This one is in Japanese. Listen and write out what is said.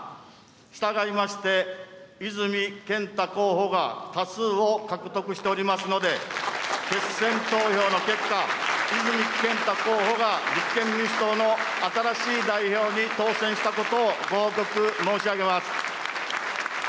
従いまして、泉健太候補が多数を獲得しておりますので、決選投票の結果、泉健太候補が、立憲民主党の新しい代表に当選したことをご報告申し上げます。